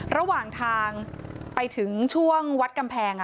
ระหว่างทางไปถึงช่วงวัดกำแพง